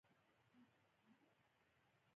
د پروژې اصلي پوښتنه د تبخیر په عواملو پورې تړلې ده.